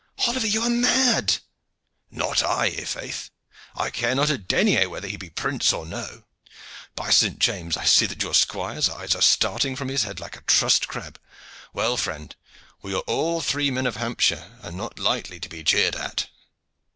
Oliver! You are mad!" "Not I, i' faith! I care not a denier whether he be prince or no. By Saint James! I see that your squire's eyes are starting from his head like a trussed crab. Well, friend, we are all three men of Hampshire, and not lightly to be jeered at."